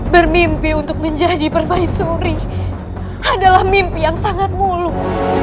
bermimpi untuk menjadi permaisuri adalah mimpi yang sangat muluk